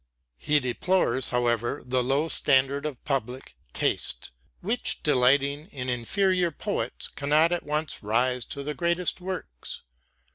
He deplores, however, the low standard of public taste, which, delighting in inferior poets, cannot at once rise to the greatest works.